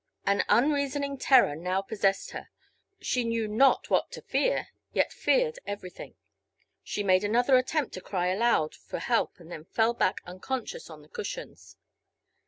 An unreasoning terror now possessed her. She knew not what to fear, yet feared everything. She made another attempt to cry aloud for help and then fell back unconscious on the cushions.